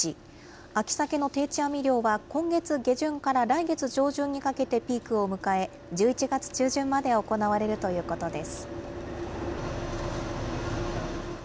秋サケの定置網漁は今月下旬から来月上旬にかけてピークを迎え、１１月中旬まで行われるということです。